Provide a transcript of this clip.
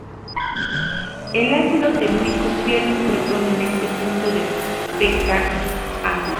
El ácido telúrico pierde un protón en ese punto de pKa.